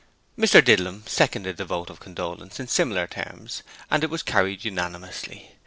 Mr Didlum seconded the vote of condolence in similar terms, and it was carried unanimously.